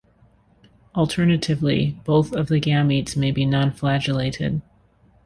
Alternatively, both of the gametes may be non-flagellated.